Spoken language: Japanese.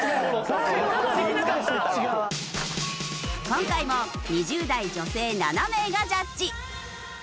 今回も２０代女性７名がジャッジ。